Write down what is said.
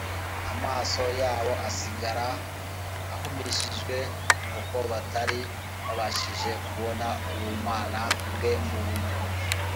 Amaso yabo asigara ahumishijwe n'uko batari babashije kubona ubumana bwe mu bumuntu.